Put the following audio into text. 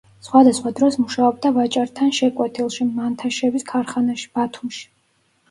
სხვადასხვა დროს მუშაობდა ვაჭართან შეკვეთილში, მანთაშევის ქარხანაში ბათუმში.